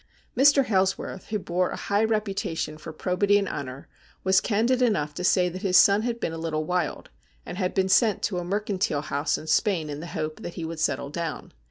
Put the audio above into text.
Mr. Hailsworth, who bore a high reputation for probity and honour, was candid enough to say that his son had been a little wild, and had been sent to a mercantile house in Spain in the hope that he would settle down.